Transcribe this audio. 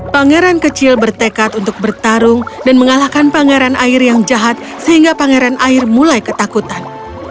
pangeran kecil bertekad untuk bertarung dan mengalahkan pangeran air yang jahat sehingga pangeran air mulai ketakutan